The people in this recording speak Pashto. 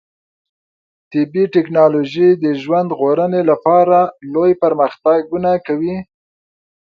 طبي ټکنالوژي د ژوند ژغورنې لپاره لوی پرمختګونه کوي.